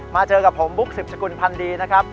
มาเจอกับผมบุ๊คศึกษกุลพันธ์ดีนะครับ